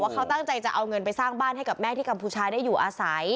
เขาตั้งใจจะเอาเงินไปสร้างบ้านให้กับแม่ที่กัมพูชาได้อยู่อาศัย